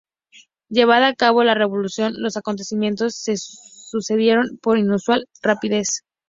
Llevada a cabo la revolución, los acontecimientos se sucedieron con inusual rapidez.